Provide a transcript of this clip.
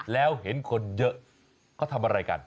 แล้วเห็นคนเยอะเขาทำอะไรกัน